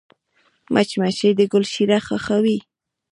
مچمچۍ د ګل شیره خوښوي